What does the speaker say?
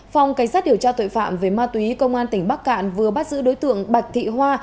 phòng cảnh sát điều tra tội phạm về ma túy công an tỉnh bắc cạn vừa bắt giữ đối tượng bạch thị hoa